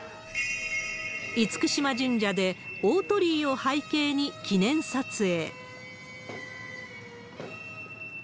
厳島神社で大鳥居を背景に記念撮影。